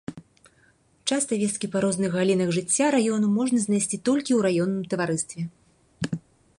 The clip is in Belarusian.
Часта весткі па розных галінах жыцця раёну можна знайсці толькі ў раённым таварыстве.